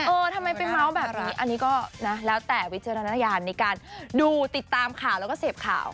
เออทำไมไปเมาส์แบบนี้อันนี้ก็นะแล้วแต่วิจารณญาณในการดูติดตามข่าวแล้วก็เสพข่าว